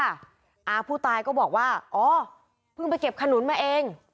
อาผู้ตายก็บอกว่าอ๋อเพิ่งไปเก็บขนุนมาเอง